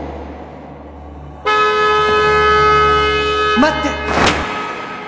待って！